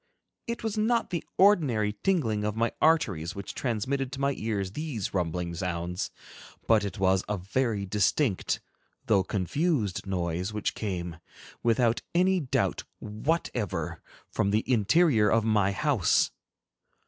It was not the ordinary tingling of my arteries which transmitted to my ears these rumbling sounds, but it was a very distinct, though confused, noise which came, without any doubt whatever, from the interior of my house.